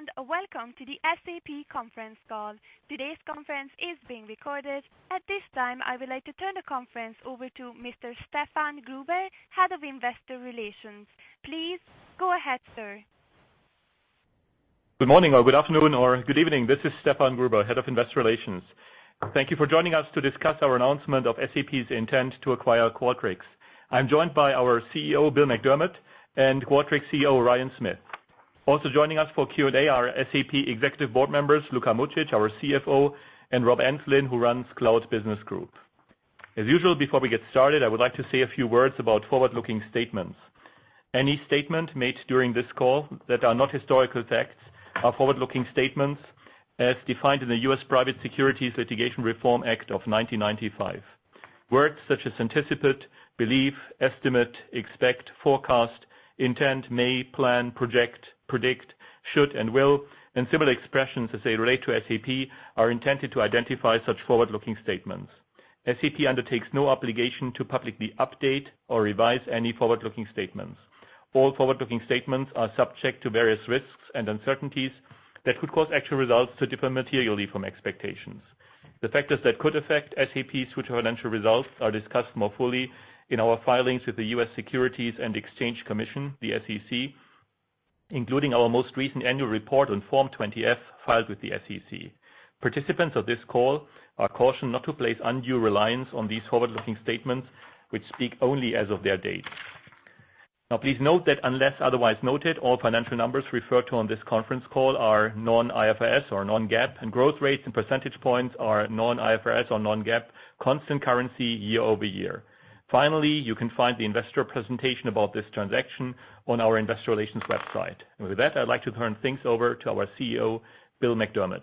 Good day and welcome to the SAP conference call. Today's conference is being recorded. At this time, I would like to turn the conference over to Mr. Stefan Gruber, Head of Investor Relations. Please go ahead, sir. Good morning or good afternoon or good evening. This is Stefan Gruber, Head of Investor Relations. Thank you for joining us to discuss our announcement of SAP's intent to acquire Qualtrics. I'm joined by our CEO, Bill McDermott, and Qualtrics CEO, Ryan Smith. Also joining us for Q&A are SAP executive board members, Luka Mucic, our CFO, and Rob Enslin, who runs Cloud Business Group. As usual, before we get started, I would like to say a few words about forward-looking statements. Any statement made during this call that are not historical facts are forward-looking statements as defined in the U.S. Private Securities Litigation Reform Act of 1995. Words such as anticipate, believe, estimate, expect, forecast, intend, may, plan, project, predict, should, and will, and similar expressions as they relate to SAP, are intended to identify such forward-looking statements. SAP undertakes no obligation to publicly update or revise any forward-looking statements. All forward-looking statements are subject to various risks and uncertainties that could cause actual results to differ materially from expectations. The factors that could affect SAP's future financial results are discussed more fully in our filings with the U.S. Securities and Exchange Commission, the SEC, including our most recent annual report on Form 20-F filed with the SEC. Participants of this call are cautioned not to place undue reliance on these forward-looking statements, which speak only as of their date. Now please note that unless otherwise noted, all financial numbers referred to on this conference call are non-IFRS or non-GAAP, and growth rates and percentage points are non-IFRS or non-GAAP constant currency year-over-year. Finally, you can find the investor presentation about this transaction on our investor relations website. With that, I'd like to turn things over to our CEO, Bill McDermott.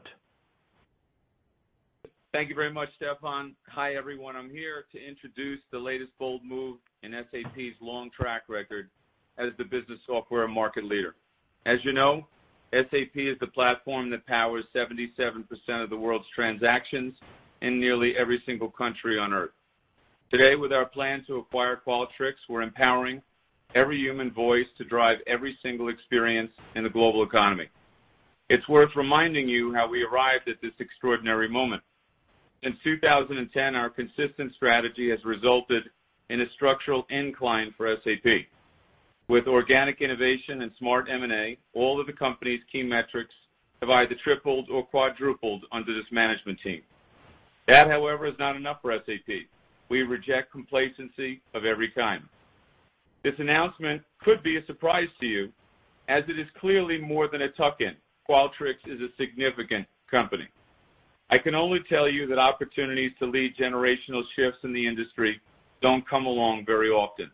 Thank you very much, Stefan. Hi, everyone. I'm here to introduce the latest bold move in SAP's long track record as the business software market leader. As you know, SAP is the platform that powers 77% of the world's transactions in nearly every single country on Earth. Today, with our plan to acquire Qualtrics, we're empowering every human voice to drive every single experience in the global economy. It's worth reminding you how we arrived at this extraordinary moment. Since 2010, our consistent strategy has resulted in a structural incline for SAP. With organic innovation and smart M&A, all of the company's key metrics have either tripled or quadrupled under this management team. That, however, is not enough for SAP. We reject complacency of every kind. This announcement could be a surprise to you, as it is clearly more than a tuck-in. Qualtrics is a significant company. I can only tell you that opportunities to lead generational shifts in the industry don't come along very often.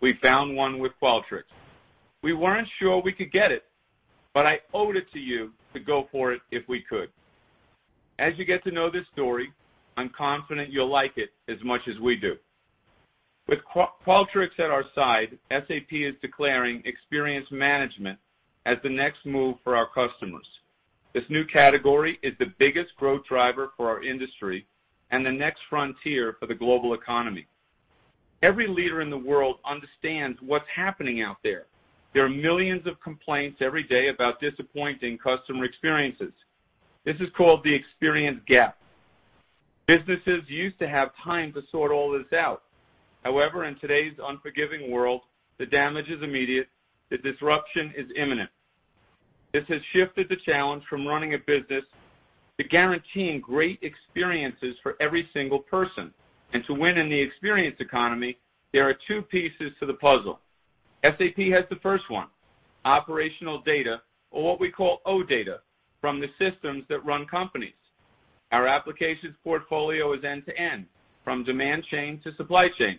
We found one with Qualtrics. We weren't sure we could get it, but I owed it to you to go for it if we could. As you get to know this story, I'm confident you'll like it as much as we do. With Qualtrics at our side, SAP is declaring experience management as the next move for our customers. This new category is the biggest growth driver for our industry and the next frontier for the global economy. Every leader in the world understands what's happening out there. There are millions of complaints every day about disappointing customer experiences. This is called the experience gap. Businesses used to have time to sort all this out. However, in today's unforgiving world, the damage is immediate, the disruption is imminent. To win in the experience economy, there are two pieces to the puzzle. SAP has the first one, operational data, or what we call OData, from the systems that run companies. Our applications portfolio is end-to-end, from demand chain to supply chain.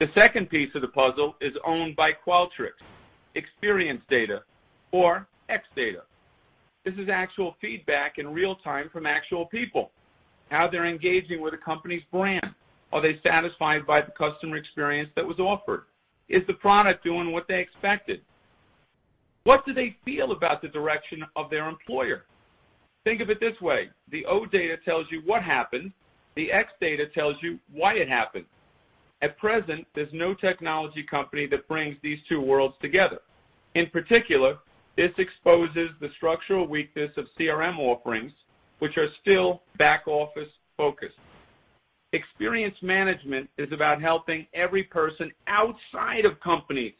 The second piece of the puzzle is owned by Qualtrics, experience data or X-data. This is actual feedback in real time from actual people. How they're engaging with a company's brand. Are they satisfied by the customer experience that was offered? Is the product doing what they expected? What do they feel about the direction of their employer? Think of it this way. The OData tells you what happened. The X-data tells you why it happened. At present, there's no technology company that brings these two worlds together. In particular, this exposes the structural weakness of CRM offerings, which are still back office focused. Experience management is about helping every person outside of companies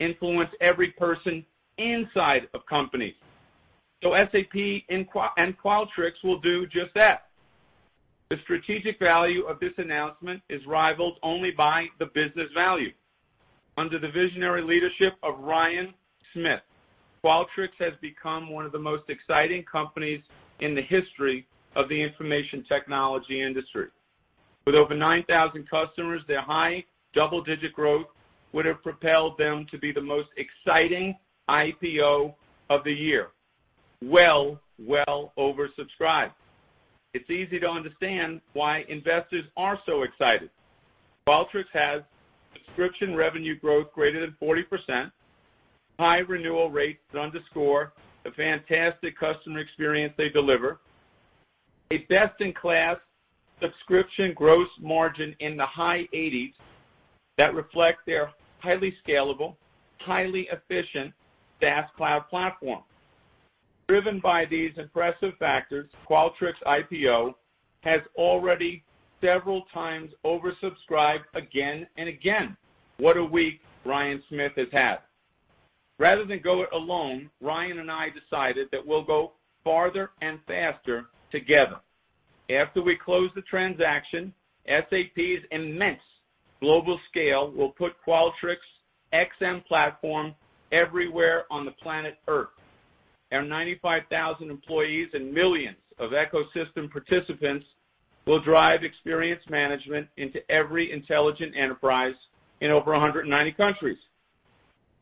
influence every person inside of companies. SAP and Qualtrics will do just that. The strategic value of this announcement is rivaled only by the business value. Under the visionary leadership of Ryan Smith, Qualtrics has become one of the most exciting companies in the history of the information technology industry. With over 9,000 customers, their high double-digit growth would have propelled them to be the most exciting IPO of the year. Well over subscribed. It's easy to understand why investors are so excited. Qualtrics has subscription revenue growth greater than 40%, high renewal rates underscore the fantastic customer experience they deliver. A best-in-class subscription gross margin in the high 80s that reflects their highly scalable, highly efficient SaaS cloud platform. Driven by these impressive factors, Qualtrics IPO has already several times oversubscribed again and again. What a week Ryan Smith has had. Rather than go it alone, Ryan and I decided that we'll go farther and faster together. After we close the transaction, SAP's immense global scale will put Qualtrics XM platform everywhere on the planet Earth. Our 95,000 employees and millions of ecosystem participants will drive experience management into every intelligent enterprise in over 190 countries.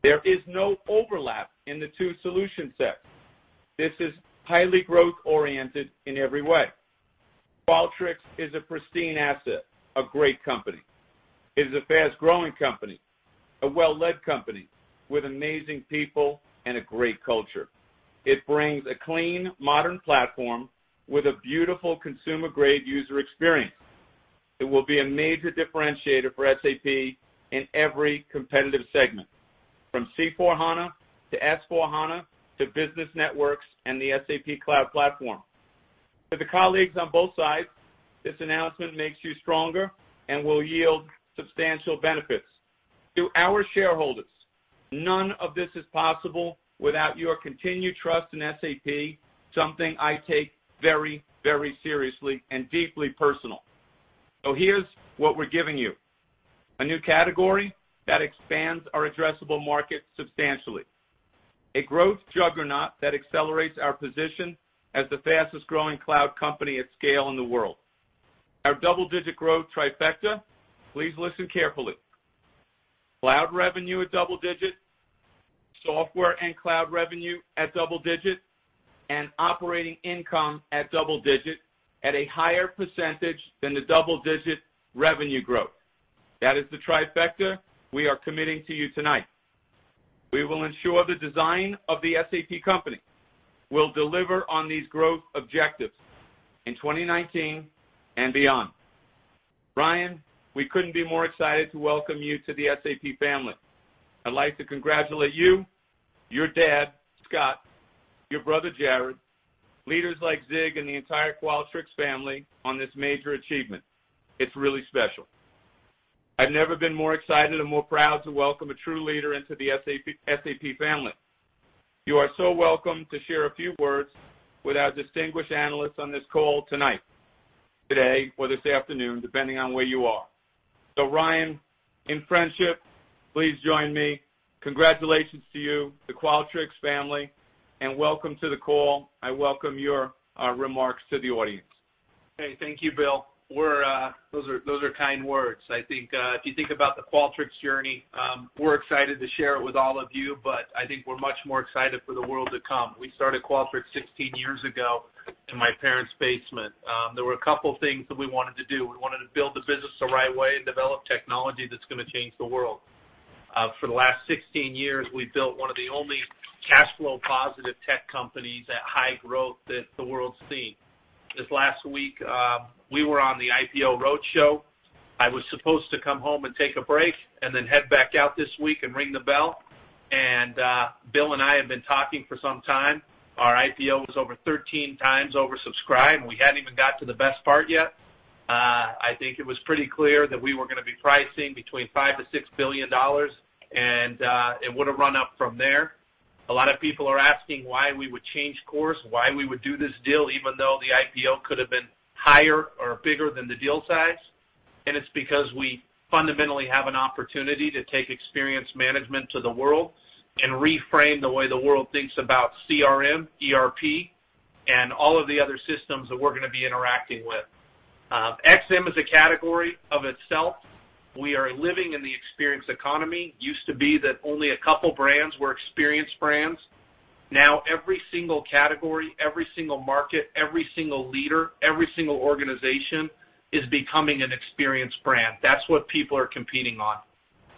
There is no overlap in the two solution sets. This is highly growth-oriented in every way. Qualtrics is a pristine asset, a great company. It is a fast-growing company, a well-led company with amazing people and a great culture. It brings a clean, modern platform with a beautiful consumer-grade user experience. It will be a major differentiator for SAP in every competitive segment, from C/4HANA to S/4HANA to business networks and the SAP Cloud Platform. To the colleagues on both sides, this announcement makes you stronger and will yield substantial benefits. To our shareholders, none of this is possible without your continued trust in SAP, something I take very seriously and deeply personal. Here's what we're giving you. A new category that expands our addressable market substantially. A growth juggernaut that accelerates our position as the fastest growing cloud company at scale in the world. Our double-digit growth trifecta, please listen carefully. Cloud revenue at double-digit, software and cloud revenue at double-digit, and operating income at double-digit at a higher percentage than the double-digit revenue growth. That is the trifecta we are committing to you tonight. We will ensure the design of the SAP company will deliver on these growth objectives in 2019 and beyond. Ryan, we couldn't be more excited to welcome you to the SAP family. I'd like to congratulate you, your dad, Scott, your brother, Jared, leaders like Zig, and the entire Qualtrics family on this major achievement. It's really special. I've never been more excited and more proud to welcome a true leader into the SAP family. You are so welcome to share a few words with our distinguished analysts on this call tonight, today, or this afternoon, depending on where you are. Ryan, in friendship, please join me. Congratulations to you, the Qualtrics family, and welcome to the call. I welcome your remarks to the audience. Hey. Thank you, Bill. Those are kind words. If you think about the Qualtrics journey, we're excited to share it with all of you, but I think we're much more excited for the world to come. We started Qualtrics 16 years ago in my parents' basement. There were a couple things that we wanted to do. We wanted to build the business the right way and develop technology that's going to change the world. For the last 16 years, we've built one of the only cash flow positive tech companies at high growth that the world's seen. This last week, we were on the IPO roadshow. I was supposed to come home and take a break, then head back out this week and ring the bell. Bill and I have been talking for some time. Our IPO was over 13 times oversubscribed, and we hadn't even gotten to the best part yet. I think it was pretty clear that we were going to be pricing between $5 billion-$6 billion, and it would have run up from there. A lot of people are asking why we would change course, why we would do this deal, even though the IPO could have been higher or bigger than the deal size. It's because we fundamentally have an opportunity to take experience management to the world and reframe the way the world thinks about CRM, ERP, and all of the other systems that we're going to be interacting with. XM is a category of itself. We are living in the experience economy. Used to be that only a couple brands were experience brands. Now, every single category, every single market, every single leader, every single organization is becoming an experience brand. That's what people are competing on.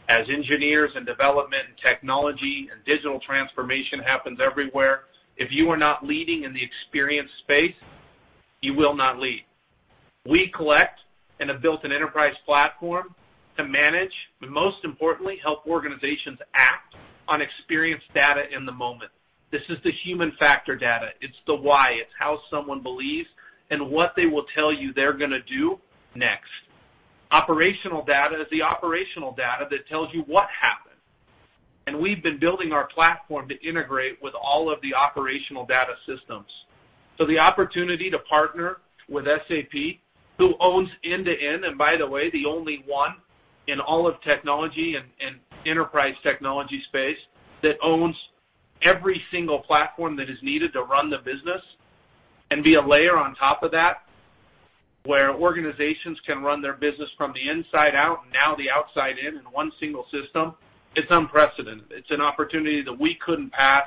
As engineers in development and technology and digital transformation happens everywhere, if you are not leading in the experience space, you will not lead. We collect and have built an enterprise platform to manage, but most importantly, help organizations act on experience data in the moment. This is the human factor data. It's the why. It's how someone believes and what they will tell you they're going to do next. Operational data is the operational data that tells you what happened. We've been building our platform to integrate with all of the operational data systems. The opportunity to partner with SAP, who owns end-to-end, and by the way, the only one in all of technology and enterprise technology space that owns every single platform that is needed to run the business and be a layer on top of that, where organizations can run their business from the inside out, now the outside in one single system, it's unprecedented. It's an opportunity that we couldn't pass.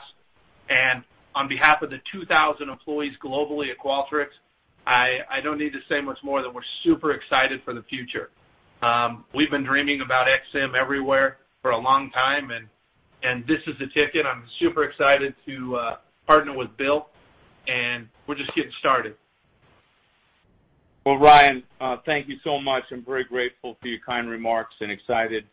On behalf of the 2,000 employees globally at Qualtrics, I don't need to say much more than we're super excited for the future. We've been dreaming about XM everywhere for a long time. This is the ticket. I'm super excited to partner with Bill. We're just getting started. Well, Ryan, thank you so much. I'm very grateful for your kind remarks, and excited.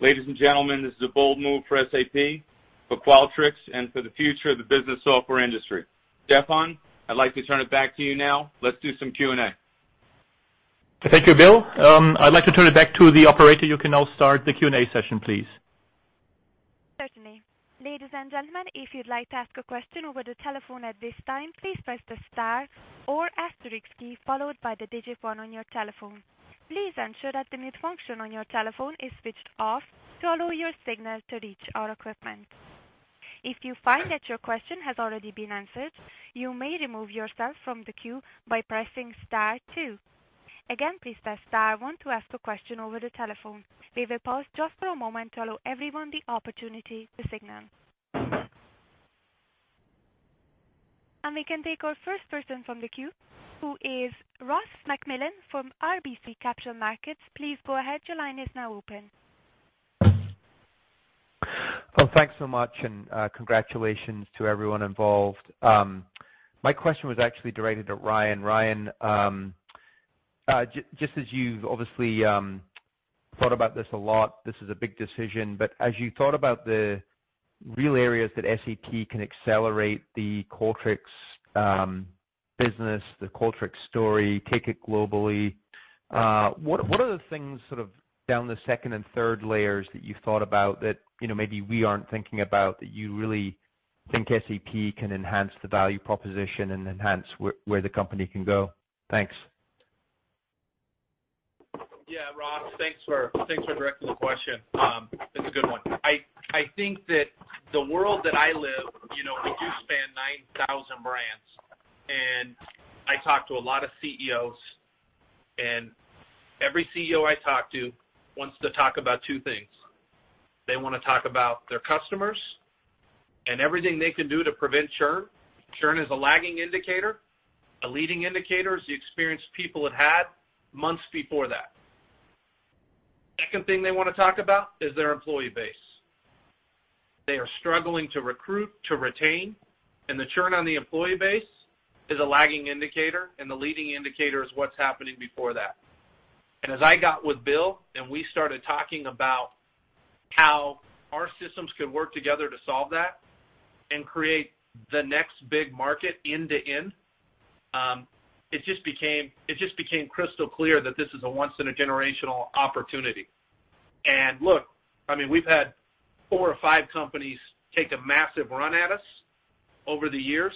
Ladies and gentlemen, this is a bold move for SAP, for Qualtrics, and for the future of the business software industry. Stefan, I'd like to turn it back to you now. Let's do some Q&A. Thank you, Bill. I'd like to turn it back to the operator. You can now start the Q&A session, please. Certainly. Ladies and gentlemen, if you'd like to ask a question over the telephone at this time, please press the star or asterisk key, followed by the digit 1 on your telephone. Please ensure that the mute function on your telephone is switched off to allow your signal to reach our equipment. If you find that your question has already been answered, you may remove yourself from the queue by pressing star 2. Again, please press star 1 to ask a question over the telephone. We will pause just for a moment to allow everyone the opportunity to signal. We can take our first person from the queue, who is Ross MacMillan from RBC Capital Markets. Please go ahead. Your line is now open. Well, thanks so much, congratulations to everyone involved. My question was actually directed to Ryan. Ryan, just as you've obviously thought about this a lot, this is a big decision. As you thought about the real areas that SAP can accelerate the Qualtrics business, the Qualtrics story, take it globally, what are the things sort of down the second and third layers that you thought about that, maybe we aren't thinking about, that you really think SAP can enhance the value proposition and enhance where the company can go? Thanks. Yeah. Ross, thanks for directing the question. It's a good one. I think that the world that I live, we do span 9,000 brands, I talk to a lot of CEOs, every CEO I talk to wants to talk about two things. They want to talk about their customers and everything they can do to prevent churn. Churn is a lagging indicator. A leading indicator is the experience people have had months before that. Second thing they want to talk about is their employee base. They are struggling to recruit, to retain, the churn on the employee base is a lagging indicator, the leading indicator is what's happening before that. As I got with Bill, we started talking about how our systems could work together to solve that and create the next big market end-to-end, it just became crystal clear that this is a once in a generational opportunity. Look, I mean, we've had four or five companies take a massive run at us over the years.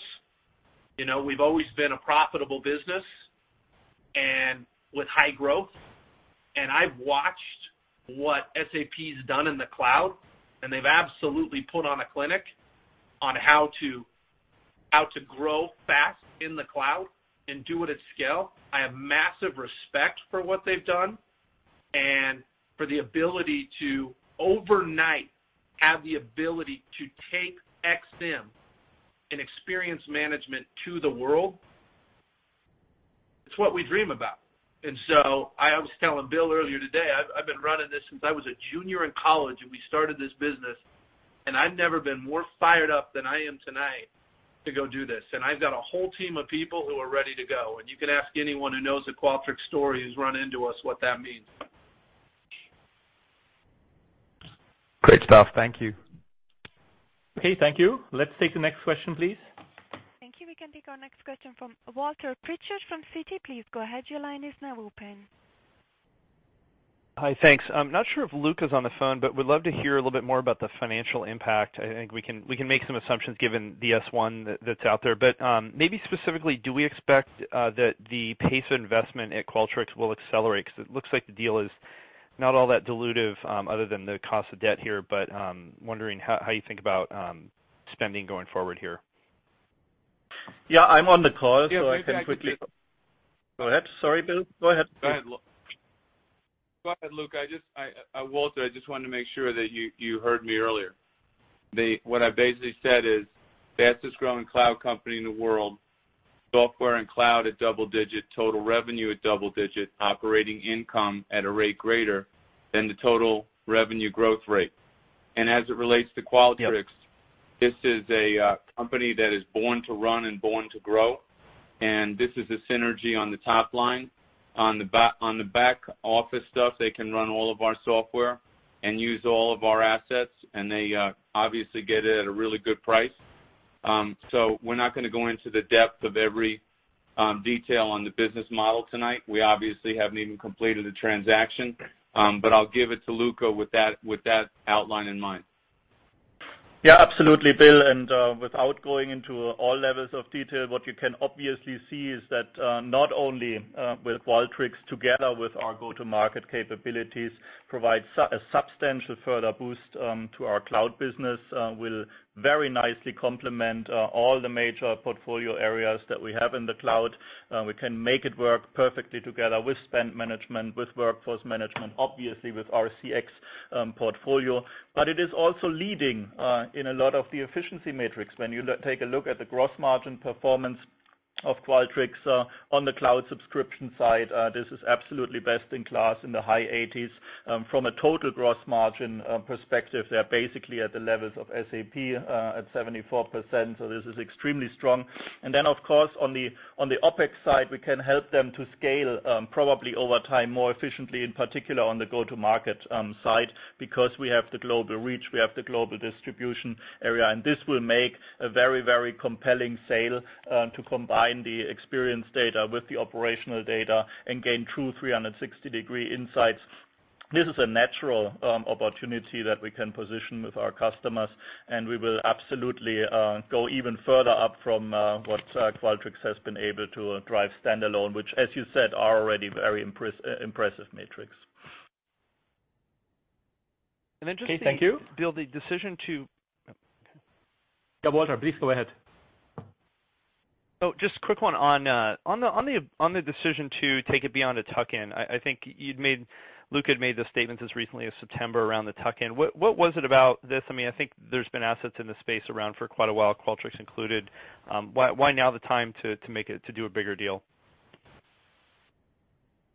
We've always been a profitable business and with high growth. I've watched what SAP's done in the cloud, they've absolutely put on a clinic on how to grow fast in the cloud and do it at scale. I have massive respect for what they've done and for the ability to, overnight, have the ability to take XM and experience management to the world. It's what we dream about. I was telling Bill earlier today, I've been running this since I was a junior in college, we started this business, I've never been more fired up than I am tonight to go do this. I've got a whole team of people who are ready to go, you can ask anyone who knows the Qualtrics story, who's run into us, what that means. Great stuff. Thank you. Okay. Thank you. Let's take the next question, please. Thank you. We can take our next question from Walter Pritchard from Citi. Please go ahead. Your line is now open. Hi. Thanks. I'm not sure if Luka is on the phone, but we'd love to hear a little bit more about the financial impact. I think we can make some assumptions given the S-1 that's out there. Maybe specifically, do we expect that the pace of investment at Qualtrics will accelerate? It looks like the deal is not all that dilutive, other than the cost of debt here, but wondering how you think about spending going forward here. Yeah, I'm on the call, so I can quickly- Yes, maybe I could just- Go ahead. Sorry, Bill. Go ahead. Go ahead, Lu. Go ahead, Luka. Walter, I just wanted to make sure that you heard me earlier. What I basically said is, fastest growing cloud company in the world, software and cloud at double digit, total revenue at double digit, operating income at a rate greater than the total revenue growth rate. As it relates to Qualtrics- Yep This is a company that is born to run and born to grow, this is a synergy on the top line. On the back office stuff, they can run all of our software and use all of our assets, they obviously get it at a really good price. We're not going to go into the depth of every detail on the business model tonight. We obviously haven't even completed a transaction. I'll give it to Luka with that outline in mind. Yeah, absolutely, Bill. Without going into all levels of detail, what you can obviously see is that, not only, with Qualtrics together with our go-to-market capabilities, provide a substantial further boost to our cloud business, will very nicely complement all the major portfolio areas that we have in the cloud. We can make it work perfectly together with spend management, with workforce management, obviously with our CX portfolio. It is also leading in a lot of the efficiency metrics. When you take a look at the gross margin performance of Qualtrics on the cloud subscription side, this is absolutely best in class in the high eighties. From a total gross margin perspective, they are basically at the levels of SAP at 74%. This is extremely strong. On the OPEX side, we can help them to scale, probably over time, more efficiently, in particular on the go-to-market side because we have the global reach, we have the global distribution area. This will make a very compelling sale, to combine the experience data with the operational data and gain true 360-degree insights. This is a natural opportunity that we can position with our customers, we will absolutely go even further up from what Qualtrics has been able to drive standalone, which as you said, are already very impressive metrics. Interesting- Okay, thank you. Bill, Oh, okay. Yeah, Walter, please go ahead. Oh, just quick one. On the decision to take it beyond a tuck-in, I think Luka had made the statement as recently as September around the tuck-in. What was it about this? I think there's been assets in the space around for quite a while, Qualtrics included. Why now the time to do a bigger deal?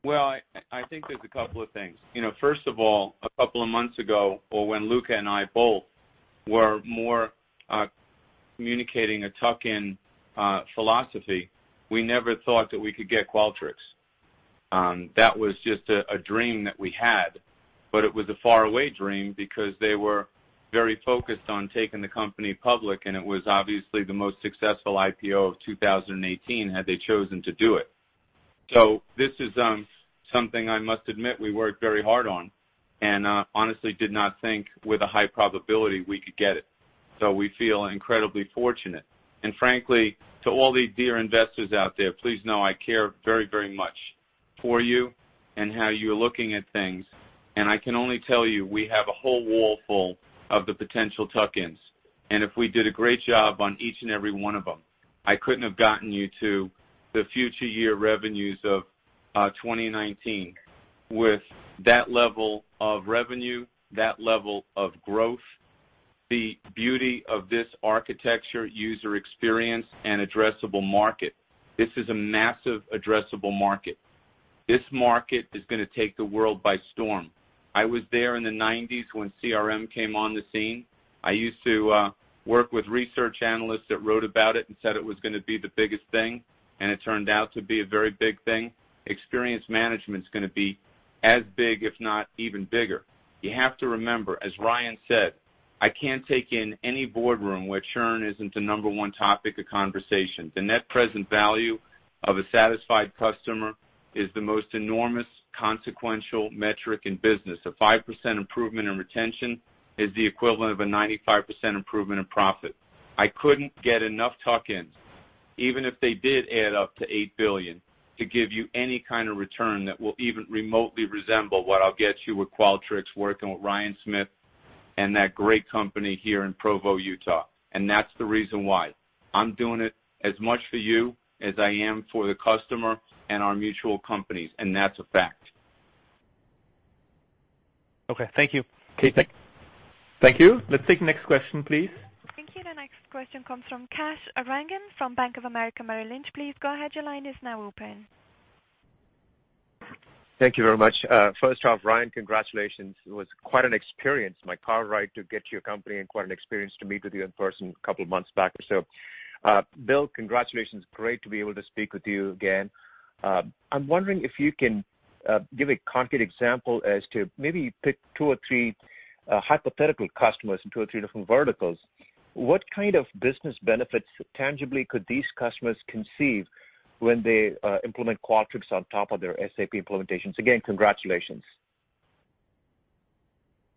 Well, I think there's a couple of things. First of all, a couple of months ago, or when Luka and I both were more communicating a tuck-in philosophy, we never thought that we could get Qualtrics. That was just a dream that we had. It was a faraway dream because they were very focused on taking the company public, and it was obviously the most successful IPO of 2018, had they chosen to do it. This is something I must admit we worked very hard on and honestly did not think with a high probability we could get it. We feel incredibly fortunate. Frankly, to all the dear investors out there, please know I care very much for you and how you're looking at things, and I can only tell you we have a whole wall full of the potential tuck-ins. If we did a great job on each and every one of them, I couldn't have gotten you to the future year revenues of 2019 with that level of revenue, that level of growth. The beauty of this architecture, user experience, and addressable market. This is a massive addressable market. This market is going to take the world by storm. I was there in the nineties when CRM came on the scene. I used to work with research analysts that wrote about it and said it was going to be the biggest thing, and it turned out to be a very big thing. Experience management's going to be as big, if not even bigger. You have to remember, as Ryan said, I can't take in any boardroom where churn isn't the number 1 topic of conversation. The net present value of a satisfied customer is the most enormous consequential metric in business. A 5% improvement in retention is the equivalent of a 95% improvement in profit. I couldn't get enough tuck-ins, even if they did add up to $8 billion to give you any kind of return that will even remotely resemble what I'll get you with Qualtrics, working with Ryan Smith and that great company here in Provo, Utah. That's the reason why. I'm doing it as much for you as I am for the customer and our mutual companies, and that's a fact. Okay. Thank you. Okay, thank- Thank you. Let's take next question, please. Thank you. The next question comes from Kash Rangan from Bank of America Merrill Lynch. Please go ahead. Your line is now open. Thank you very much. First off, Ryan, congratulations. It was quite an experience, my car ride to get to your company, and quite an experience to meet with you in person a couple months back or so. Bill, congratulations. Great to be able to speak with you again. I'm wondering if you can give a concrete example as to maybe pick two or three hypothetical customers in two or three different verticals. What kind of business benefits tangibly could these customers conceive when they implement Qualtrics on top of their SAP implementations? Again, congratulations.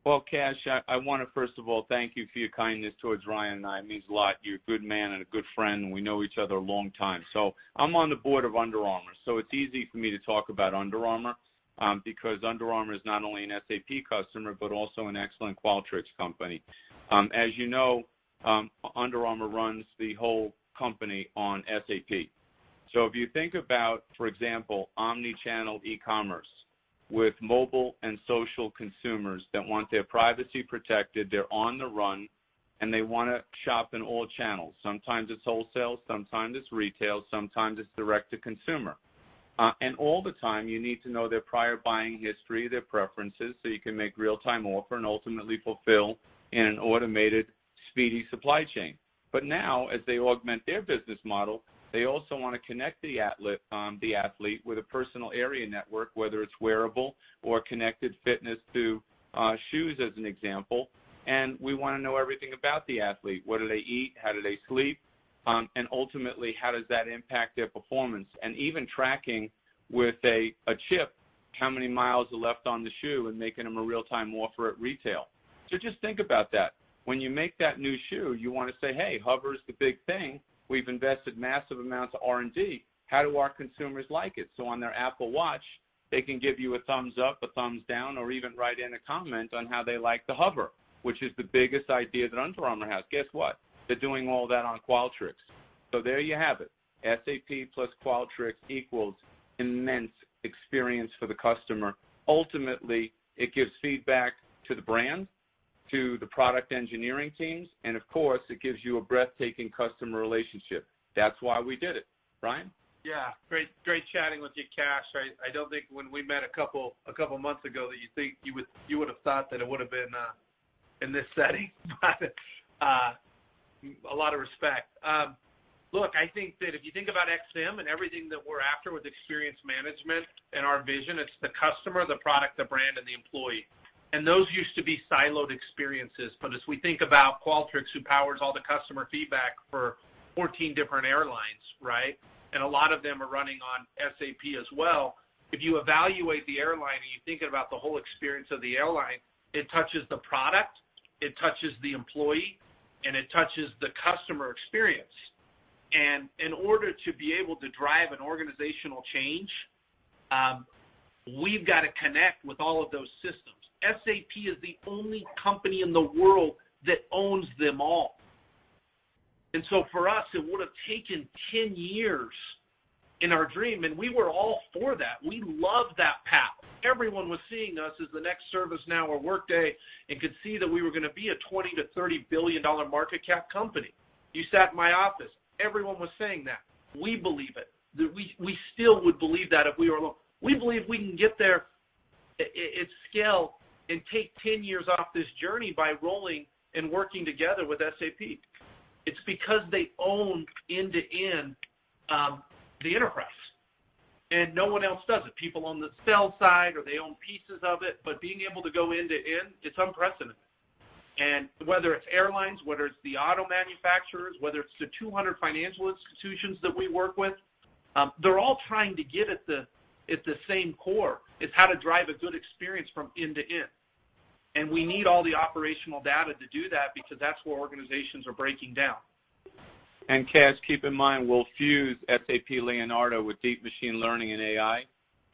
Well, Kash, I want to first of all thank you for your kindness towards Ryan and I. It means a lot. You're a good man and a good friend, and we know each other a long time. I'm on the board of Under Armour, so it's easy for me to talk about Under Armour, because Under Armour is not only an SAP customer but also an excellent Qualtrics company. As you know, Under Armour runs the whole company on SAP. If you think about, for example, omni-channel e-commerce with mobile and social consumers that want their privacy protected, they're on the run, and they want to shop in all channels. Sometimes it's wholesale, sometimes it's retail, sometimes it's direct to consumer. All the time you need to know their prior buying history, their preferences, so you can make real-time offer and ultimately fulfill in an automated, speedy supply chain. Now as they augment their business model, they also want to connect the athlete with a personal area network, whether it's wearable or connected fitness to shoes, as an example. We want to know everything about the athlete. What do they eat? How do they sleep? Ultimately, how does that impact their performance? Even tracking with a chip how many miles are left on the shoe and making them a real-time offer at retail. Just think about that. When you make that new shoe, you want to say, "Hey, HOVR's the big thing. We've invested massive amounts of R&D. How do our consumers like it? On their Apple Watch, they can give you a thumbs up, a thumbs down, or even write in a comment on how they like the Hover, which is the biggest idea that Under Armour has. Guess what? They're doing all that on Qualtrics. There you have it. SAP plus Qualtrics equals immense experience for the customer. Ultimately, it gives feedback to the brand, to the product engineering teams, and of course, it gives you a breathtaking customer relationship. That's why we did it. Ryan? Yeah. Great chatting with you, Kash. I don't think when we met a couple of months ago, that you would've thought that it would've been in this setting. A lot of respect. Look, I think that if you think about XM and everything that we're after with experience management and our vision, it's the customer, the product, the brand, and the employee. Those used to be siloed experiences. As we think about Qualtrics, who powers all the customer feedback for 14 different airlines, right? A lot of them are running on SAP as well. If you evaluate the airline and you think about the whole experience of the airline, it touches the product, it touches the employee, and it touches the customer experience. In order to be able to drive an organizational change, we've got to connect with all of those systems. SAP is the only company in the world that owns them all. For us, it would've taken 10 years in our dream, and we were all for that. We loved that path. Everyone was seeing us as the next ServiceNow or Workday and could see that we were going to be a $20 billion-$30 billion market cap company. You sat in my office. Everyone was saying that. We believe it. We still would believe that if we were alone. We believe we can get there at scale and take 10 years off this journey by rolling and working together with SAP. It's because they own end-to-end the enterprise. No one else does it. People on the sell side, or they own pieces of it, but being able to go end-to-end, it's unprecedented. Whether it's airlines, whether it's the auto manufacturers, whether it's the 200 financial institutions that we work with, they're all trying to get at the same core. It's how to drive a good experience from end to end. We need all the operational data to do that because that's where organizations are breaking down. Kash, keep in mind, we'll fuse SAP Leonardo with deep machine learning and AI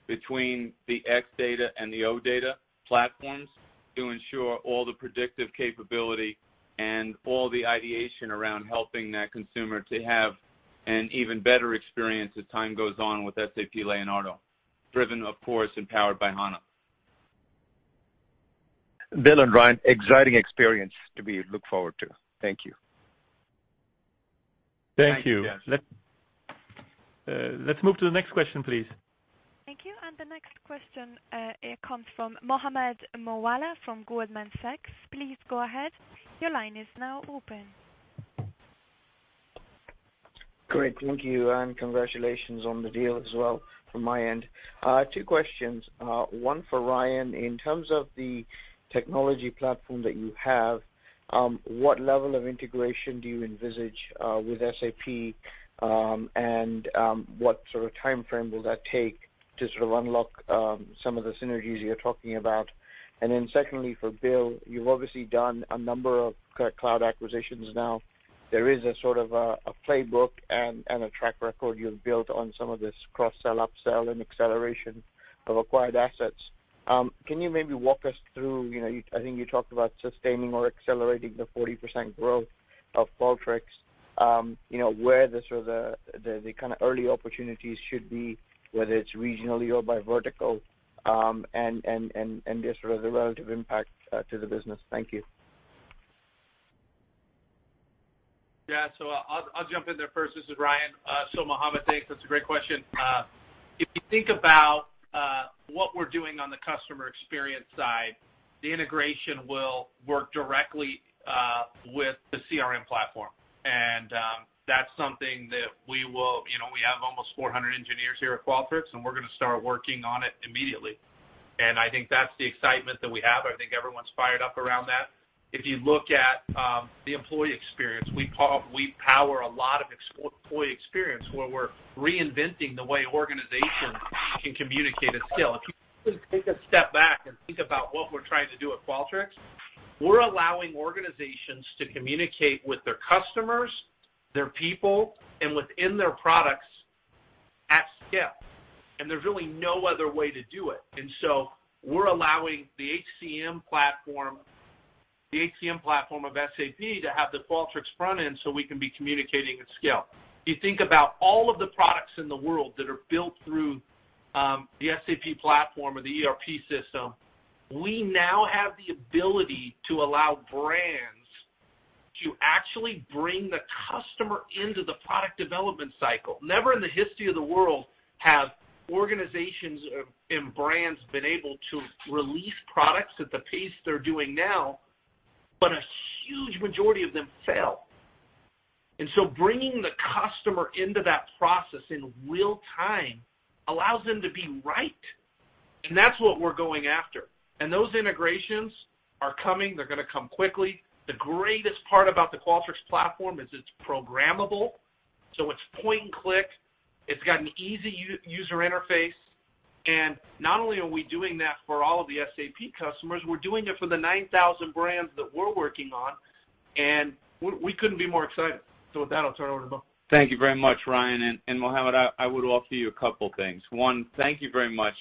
between the X-data and the OData platforms to ensure all the predictive capability and all the ideation around helping that consumer to have an even better experience as time goes on with SAP Leonardo, driven, of course, and powered by HANA. Bill and Ryan, exciting experience to be looked forward to. Thank you. Thank you. Thanks, Kash. Let's move to the next question, please. Thank you. The next question comes from Mohammed Moawalla from Goldman Sachs. Please go ahead. Your line is now open. Great. Thank you, congratulations on the deal as well from my end. Two questions. One for Ryan. In terms of the technology platform that you have, what level of integration do you envisage with SAP, what sort of timeframe will that take to sort of unlock some of the synergies you're talking about? Secondly, for Bill, you've obviously done a number of cloud acquisitions now. There is a sort of a playbook and a track record you've built on some of this cross-sell, up-sell, and acceleration of acquired assets. Can you maybe walk us through, I think you talked about sustaining or accelerating the 40% growth of Qualtrics, where the sort of the early opportunities should be, whether it's regionally or by vertical, and just sort of the relative impact to the business. Thank you. I'll jump in there first. This is Ryan. Mohammed, thanks. That's a great question. If you think about what we're doing on the customer experience side, the integration will work directly with the CRM platform. That's something that we have almost 400 engineers here at Qualtrics, we're going to start working on it immediately. I think that's the excitement that we have. I think everyone's fired up around that. If you look at the employee experience, we power a lot of employee experience, where we're reinventing the way organizations can communicate at scale. If you take a step back and think about what we're trying to do at Qualtrics, we're allowing organizations to communicate with their customers, their people, and within their products at scale. There's really no other way to do it. We're allowing the HCM platform of SAP to have the Qualtrics front end so we can be communicating at scale. If you think about all of the products in the world that are built through the SAP platform or the ERP system, we now have the ability to allow brands to actually bring the customer into the product development cycle. Never in the history of the world have organizations and brands been able to release products at the pace they're doing now, but a huge majority of them fail. Bringing the customer into that process in real time allows them to be right, and that's what we're going after. Those integrations are coming. They're going to come quickly. The greatest part about the Qualtrics platform is it's programmable, so it's point and click. It's got an easy user interface. Not only are we doing that for all of the SAP customers, we're doing it for the 9,000 brands that we're working on, and we couldn't be more excited. With that, I'll turn it over to Bill. Thank you very much, Ryan. Mohammed, I would offer you a couple things. One, thank you very much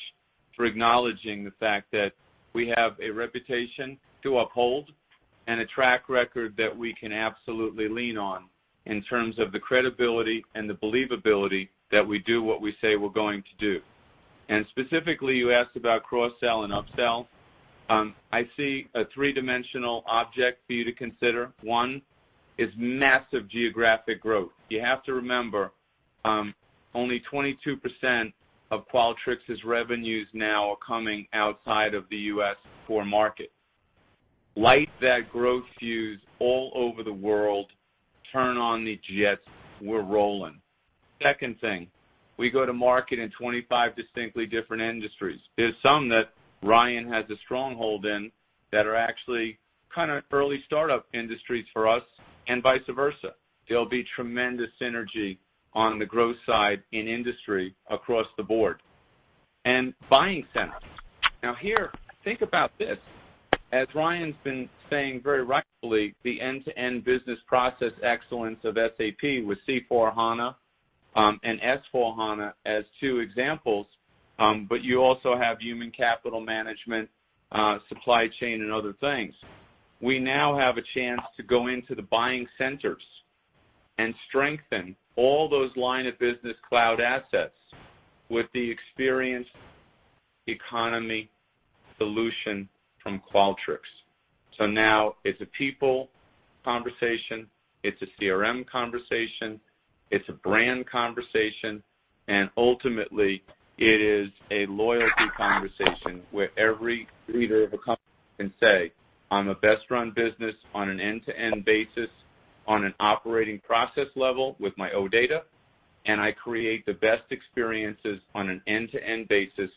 for acknowledging the fact that we have a reputation to uphold and a track record that we can absolutely lean on in terms of the credibility and the believability that we do what we say we're going to do. Specifically, you asked about cross-sell and up-sell. I see a three-dimensional object for you to consider. One is massive geographic growth. You have to remember, only 22% of Qualtrics' revenues now are coming outside of the U.S. core market. Light that growth fuse all over the world, turn on the jets, we're rolling. Second thing, we go to market in 25 distinctly different industries. There's some that Ryan has a stronghold in that are actually early startup industries for us and vice versa. There'll be tremendous synergy on the growth side in industry across the board. Buying centers. Now here, think about this. As Ryan's been saying very rightfully, the end-to-end business process excellence of SAP with C/4HANA, and S/4HANA as two examples, but you also have human capital management, supply chain, and other things. We now have a chance to go into the buying centers and strengthen all those line of business cloud assets with the experience economy solution from Qualtrics. now it's a people conversation, it's a CRM conversation, it's a brand conversation, and ultimately, it is a loyalty conversation where every leader of a company can say, "I'm a best run business on an end-to-end basis on an operating process level with my OData, and I create the best experiences on an end-to-end basis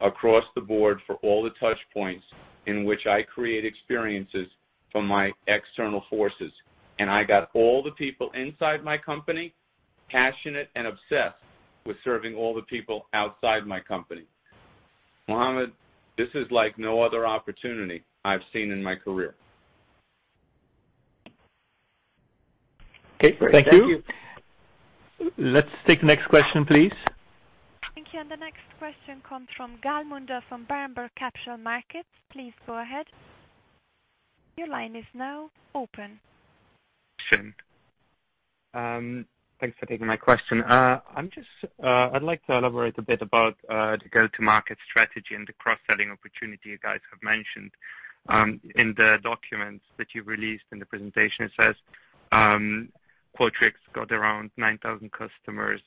across the board for all the touch points in which I create experiences from my external forces. And I got all the people inside my company, passionate and obsessed with serving all the people outside my company." Mohammed, this is like no other opportunity I've seen in my career. Okay. Thank you. Great. Thank you. Let's take the next question, please. Thank you. The next question comes from Gal Munda, from Berenberg Capital Markets. Please go ahead. Your line is now open. Sure. Thanks for taking my question. I'd like to elaborate a bit about the go-to-market strategy and the cross-selling opportunity you guys have mentioned. In the documents that you've released in the presentation, it says Qualtrics got around 9,000 customers,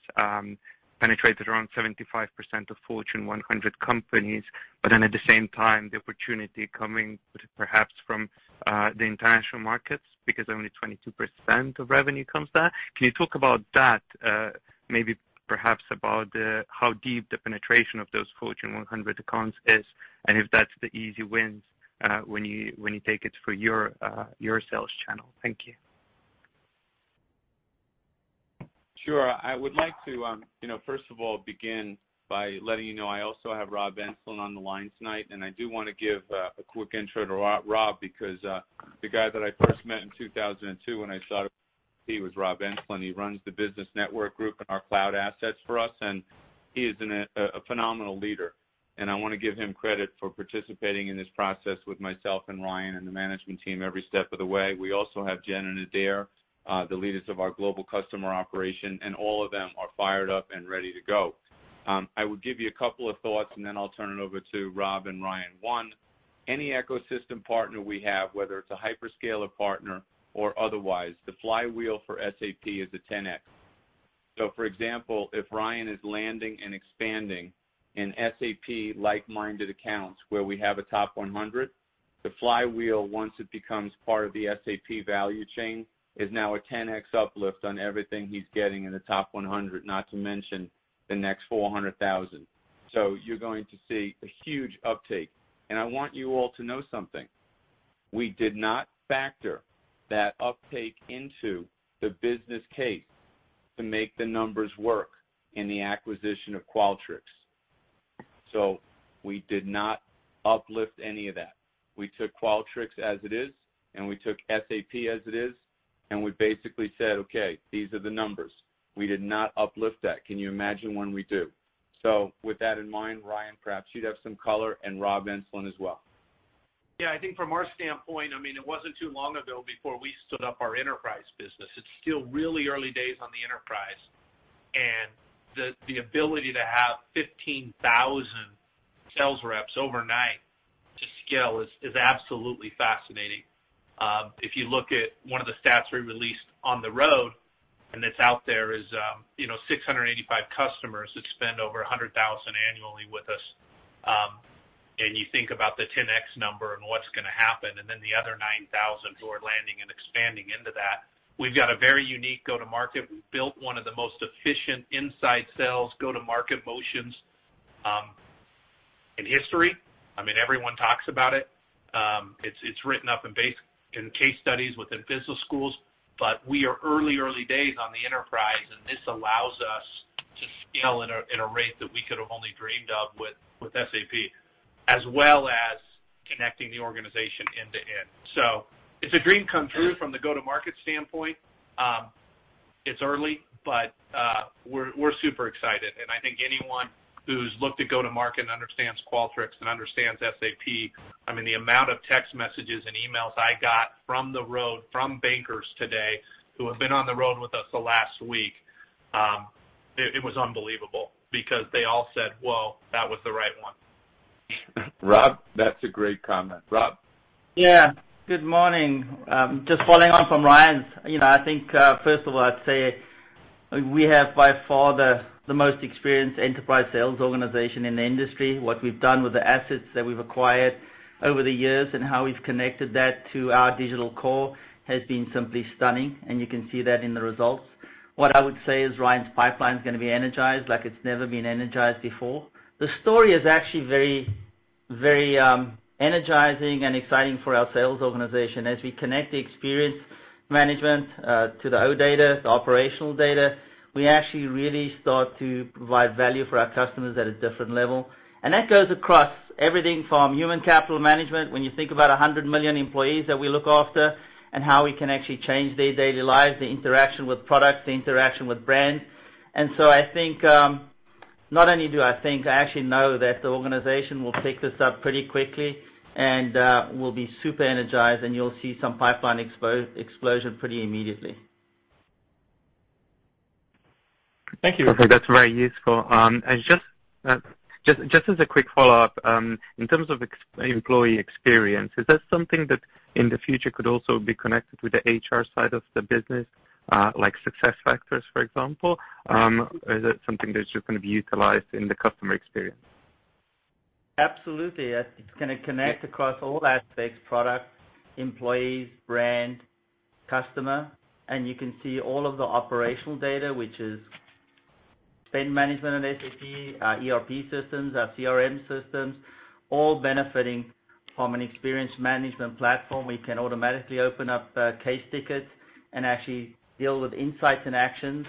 penetrated around 75% of Fortune 100 companies. At the same time, the opportunity coming perhaps from the international markets, because only 22% of revenue comes there. Can you talk about that, maybe perhaps about how deep the penetration of those Fortune 100 accounts is, and if that's the easy wins, when you take it for your sales channel. Thank you. Sure. I would like to first of all, begin by letting you know, I also have Rob Enslin on the line tonight. I do want to give a quick intro to Rob because the guy that I first met in 2002 when I started with SAP was Rob Enslin. He runs the business network group and our cloud assets for us, and he is a phenomenal leader. I want to give him credit for participating in this process with myself and Ryan and the management team every step of the way. We also have Jenn and Adaire, the leaders of our global customer operation, and all of them are fired up and ready to go. I will give you a couple of thoughts and then I'll turn it over to Rob and Ryan. One, any ecosystem partner we have, whether it's a hyperscaler partner or otherwise, the flywheel for SAP is a 10X. For example, if Ryan is landing and expanding in SAP like-minded accounts where we have a top 100, the flywheel, once it becomes part of the SAP value chain, is now a 10X uplift on everything he's getting in the top 100, not to mention the next 400,000. You're going to see a huge uptake. I want you all to know something. We did not factor that uptake into the business case to make the numbers work in the acquisition of Qualtrics. We did not uplift any of that. We took Qualtrics as it is, and we took SAP as it is, and we basically said, "Okay, these are the numbers." We did not uplift that. Can you imagine when we do? With that in mind, Ryan, perhaps you'd have some color, and Rob Enslin as well. I think from our standpoint, it wasn't too long ago before we stood up our enterprise business. It's still really early days on the enterprise. The ability to have 15,000 sales reps overnight to scale is absolutely fascinating. If you look at one of the stats we released on the road, and it's out there is, 685 customers that spend over $100,000 annually with us. You think about the 10x number and what's going to happen, and then the other 9,000 who are landing and expanding into that. We've got a very unique go-to-market. We've built one of the most efficient inside sales go-to-market motions in history. Everyone talks about it. It's written up in case studies within business schools, but we are early days on the enterprise, and this allows us to scale in a rate that we could have only dreamed of with SAP, as well as connecting the organization end-to-end. It's a dream come true from the go-to-market standpoint. It's early, but we're super excited, and I think anyone who's looked at go-to-market and understands Qualtrics and understands SAP, the amount of text messages and emails I got from the road from bankers today who have been on the road with us the last week, it was unbelievable because they all said, "Whoa, that was the right one. Rob, that's a great comment. Rob? Yeah. Good morning. Just following on from Ryan's. I think, first of all, I'd say we have by far the most experienced enterprise sales organization in the industry. What we've done with the assets that we've acquired over the years and how we've connected that to our digital core has been simply stunning, and you can see that in the results. What I would say is Ryan's pipeline's going to be energized like it's never been energized before. The story is actually very energizing and exciting for our sales organization. As we connect the experience management to the OData, the operational data, we actually really start to provide value for our customers at a different level. That goes across everything from human capital management, when you think about 100 million employees that we look after, and how we can actually change their daily lives, the interaction with products, the interaction with brands. I think, not only do I think, I actually know that the organization will pick this up pretty quickly and will be super energized, and you'll see some pipeline explosion pretty immediately. Thank you. That's very useful. Just as a quick follow-up, in terms of employee experience, is that something that, in the future, could also be connected with the HR side of the business? Like SuccessFactors, for example. Is it something that's just going to be utilized in the customer experience? Absolutely. It's going to connect across all aspects, product, employees, brand, customer, you can see all of the operational data, which is spend management on SAP, our ERP systems, our CRM systems, all benefiting from an experience management platform. We can automatically open up case tickets and actually deal with insights and actions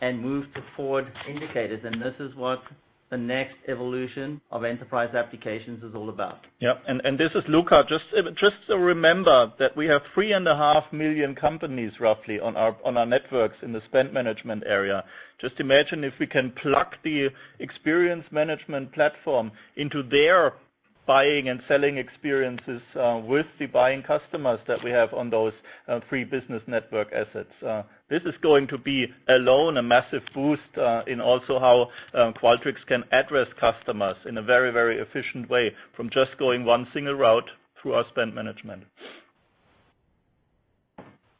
and move to forward indicators. This is what the next evolution of enterprise applications is all about. Yep. This is Luka. Just remember that we have 3.5 million companies roughly on our networks in the spend management area. Just imagine if we can pluck the Experience Management platform into their buying and selling experiences, with the buying customers that we have on those three business network assets. This is going to be, alone, a massive boost, in also how Qualtrics can address customers in a very, very efficient way, from just going one single route through our spend management.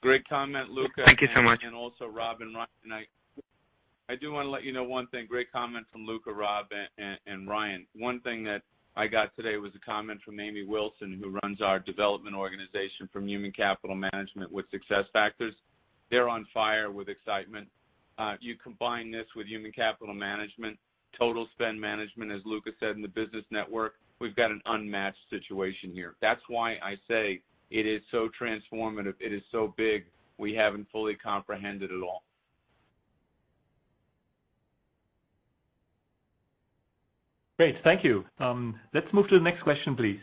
Great comment, Luka. Thank you so much. Also Rob and Ryan. I do want to let you know one thing. Great comment from Luka, Rob, and Ryan. One thing that I got today was a comment from Amy Wilson, who runs our development organization from Human Capital Management with SuccessFactors. They're on fire with excitement. You combine this with human capital management, total spend management, as Luka said, in the business network, we've got an unmatched situation here. That's why I say it is so transformative. It is so big. We haven't fully comprehended it all. Great. Thank you. Let's move to the next question, please.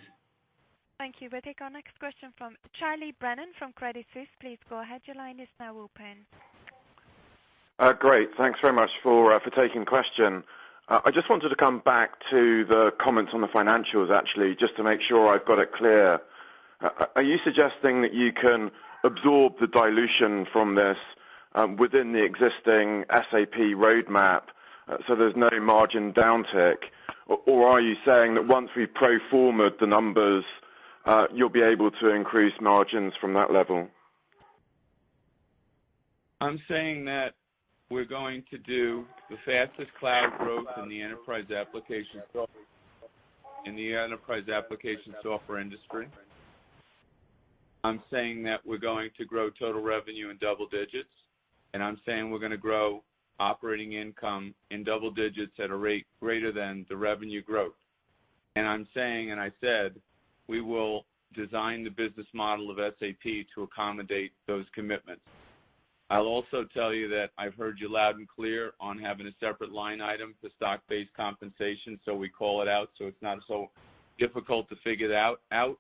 Thank you. We'll take our next question from Charles Brennan from Credit Suisse. Please go ahead. Your line is now open. Great. Thanks very much for taking question. I just wanted to come back to the comments on the financials, actually, just to make sure I've got it clear. Are you suggesting that you can absorb the dilution from this within the existing SAP roadmap so there's no margin downtick? Are you saying that once we pro forma the numbers, you'll be able to increase margins from that level? I'm saying that we're going to do the fastest cloud growth in the enterprise application software industry. I'm saying that we're going to grow total revenue in double digits, and I'm saying we're going to grow operating income in double digits at a rate greater than the revenue growth. I'm saying, and I said, we will design the business model of SAP to accommodate those commitments. I'll also tell you that I've heard you loud and clear on having a separate line item for stock-based compensation, so we call it out so it's not so difficult to figure that out.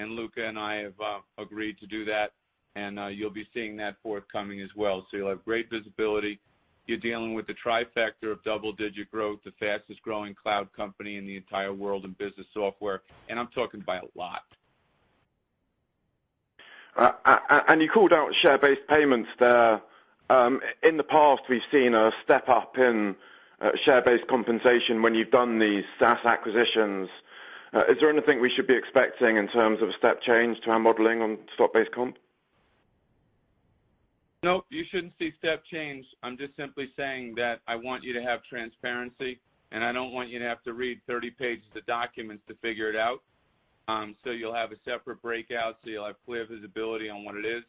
Luka and I have agreed to do that, and you'll be seeing that forthcoming as well. You'll have great visibility. You're dealing with the trifecta of double-digit growth, the fastest-growing cloud company in the entire world in business software, and I'm talking by a lot. You called out share-based payments there. In the past, we've seen a step-up in stock-based compensation when you've done these SaaS acquisitions. Is there anything we should be expecting in terms of a step change to our modeling on stock-based comp? No, you shouldn't see step change. I'm just simply saying that I want you to have transparency, and I don't want you to have to read 30 pages of documents to figure it out. You'll have a separate breakout, so you'll have clear visibility on what it is,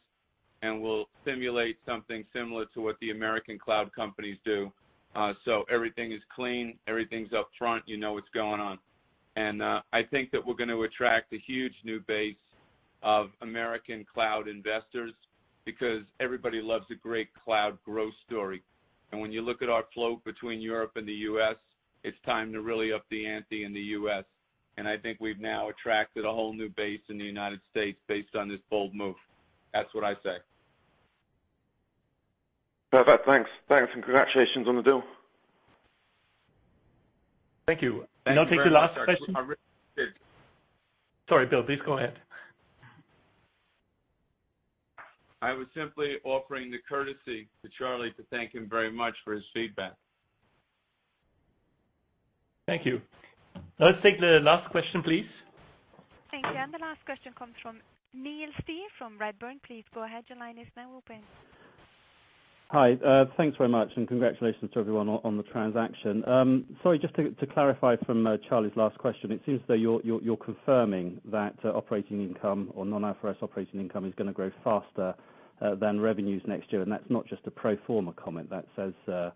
and we'll simulate something similar to what the American cloud companies do. Everything is clean, everything's upfront, you know what's going on. I think that we're going to attract a huge new base of American cloud investors because everybody loves a great cloud growth story. When you look at our flow between Europe and the U.S., it's time to really up the ante in the U.S. I think we've now attracted a whole new base in the United States based on this bold move. That's what I say. Perfect. Thanks. Thanks, congratulations on the deal. Thank you. Thank you very much. I'll take the last question. I really appreciate it. Sorry, Bill. Please go ahead. I was simply offering the courtesy to Charlie to thank him very much for his feedback. Thank you. Let's take the last question, please. Thank you. The last question comes from Neil Steer from Redburn. Please go ahead. Your line is now open. Hi. Thanks very much, and congratulations to everyone on the transaction. Sorry, just to clarify from Charlie's last question, it seems as though you're confirming that operating income or non-IFRS operating income is going to grow faster than revenues next year. That's not just a pro forma comment. That's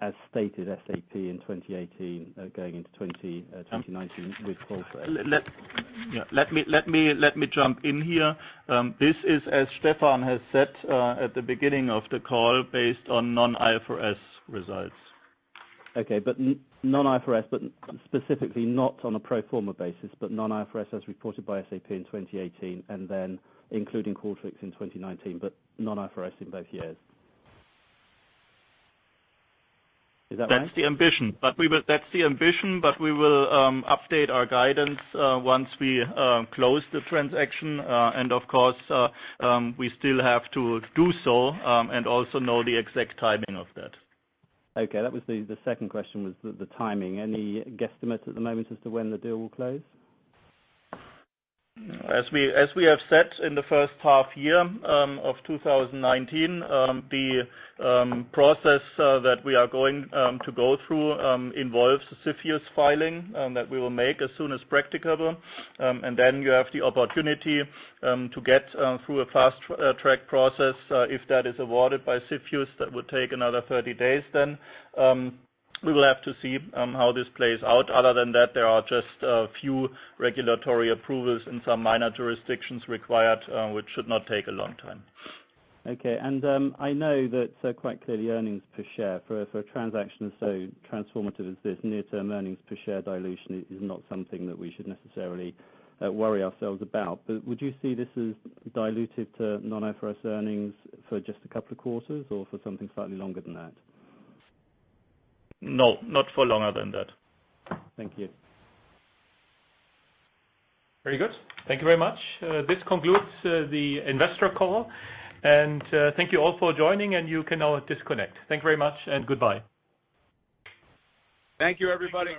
as stated SAP in 2018 going into 2019 with Qualtrics. Let me jump in here. This is as Stefan has said at the beginning of the call, based on non-IFRS results. Okay. Non-IFRS, but specifically not on a pro forma basis, but non-IFRS as reported by SAP in 2018, then including Qualtrics in 2019, but non-IFRS in both years. Is that right? That's the ambition. We will update our guidance once we close the transaction. Of course, we still have to do so, also know the exact timing of that. Okay. That was the second question, was the timing. Any guesstimates at the moment as to when the deal will close? As we have said, in the first half year of 2019, the process that we are going to go through involves the CFIUS filing that we will make as soon as practicable. Then you have the opportunity to get through a fast-track process. If that is awarded by CFIUS, that would take another 30 days then. We will have to see how this plays out. Other than that, there are just a few regulatory approvals in some minor jurisdictions required, which should not take a long time. Okay. I know that quite clearly earnings per share for a transaction as transformative as this, near-term earnings per share dilution is not something that we should necessarily worry ourselves about. Would you see this as diluted to non-IFRS earnings for just a couple of quarters or for something slightly longer than that? No, not for longer than that. Thank you. Very good. Thank you very much. This concludes the investor call. Thank you all for joining, and you can now disconnect. Thank you very much and goodbye. Thank you, everybody.